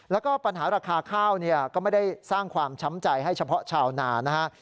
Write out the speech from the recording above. แล้วก็ปัญหาราคาข้าวเนี่ยก็ไม่ได้สร้างความช้ำใจให้เฉพาะชาวนานะฮะ